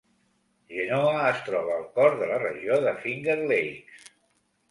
Genoa es troba al cor de la regió de Finger Lakes.